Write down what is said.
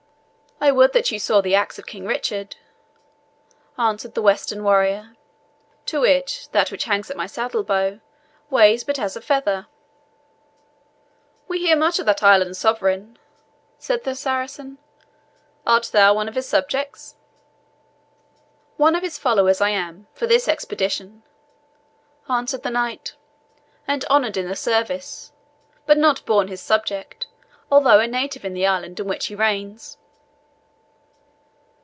"I would you saw the axe of King Richard," answered the Western warrior, "to which that which hangs at my saddle bow weighs but as a feather." "We hear much of that island sovereign," said the Saracen. "Art thou one of his subjects?" "One of his followers I am, for this expedition," answered the Knight, "and honoured in the service; but not born his subject, although a native of the island in which he reigns."